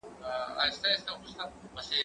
دا مرسته له هغه مهمه ده؟